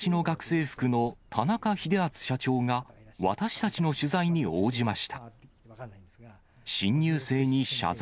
学生服の田中秀篤社長が、私たちの取材に応じました。